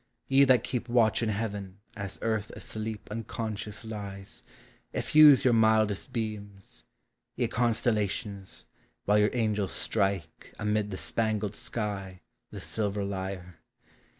Ye that keep watch in Heaven, as Earth asleep Unconscious lies, effuse your mildest beams, Ye constellations, while your angels strike, Amid the spangled sky, the silver lyre.